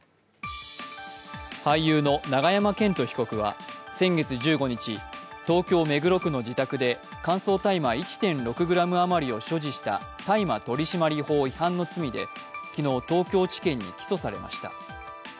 俳優の永山絢斗被告は先月１５日、東京・目黒区の自宅で乾燥大麻１．６ｇ余りを所持した大麻取締法違反の罪で昨日、東京地検に起訴されました。